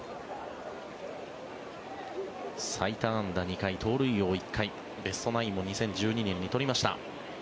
最多安打２回、盗塁王１回ベストナインも２０１２年に取りました。